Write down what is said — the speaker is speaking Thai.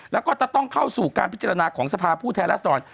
แล้วก็จะต้องเข้าสู่การพิจารณาของสภาพผู้แทนรัศดร